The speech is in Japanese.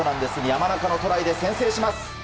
山中のトライで先制します。